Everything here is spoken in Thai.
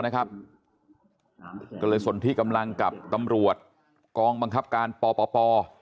ก็เลยสนที่กำลังกับตำรวจกองบังคับการปป